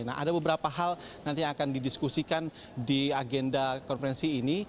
nah ada beberapa hal nanti yang akan didiskusikan di agenda konferensi ini